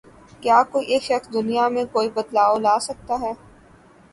کیا کوئی ایک شخص دنیا میں کوئی بدلاؤ لا سکتا ہے